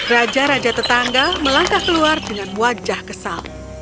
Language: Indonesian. raja raja tetangga melangkah keluar dengan wajah kesal